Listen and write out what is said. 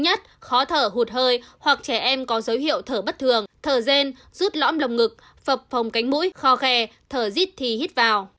nhất khó thở hụt hơi hoặc trẻ em có dấu hiệu thở bất thường thở rên rút lõm lồng ngực phập phồng cánh mũi khò kè thở dít thì hít vào